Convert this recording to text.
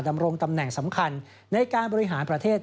ดำรงตำแหน่งสำคัญในการบริหารประเทศ